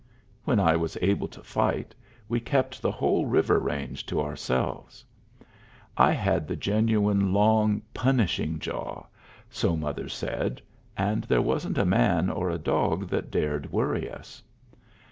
When I was able to fight we kept the whole river range to ourselves. I had the genuine long "punishing" jaw, so mother said, and there wasn't a man or a dog that dared worry us.